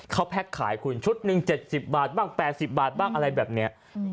เขาแพ็คขายคุณชุดหนึ่ง๗๐บาทบ้าง๘๐บาทบ้างอะไรแบบนี้